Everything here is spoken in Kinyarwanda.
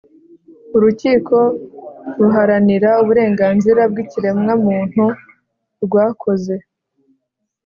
urikiko ruharanira uburenganzira bw ikiremwamuntu rwa koze